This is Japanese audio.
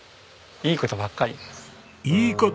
「いい事ばっかり」！